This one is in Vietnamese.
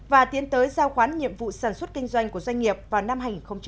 và tiến tới giao khoán nhiệm vụ sản xuất kinh doanh của doanh nghiệp vào năm hai nghìn hai mươi